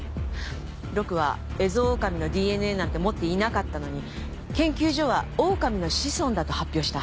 ロクはエゾオオカミのＤＮＡなんて持っていなかったのに研究所はオオカミの子孫だと発表した。